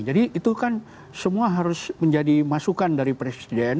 jadi itu kan semua harus menjadi masukan dari presiden